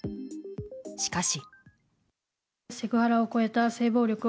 しかし。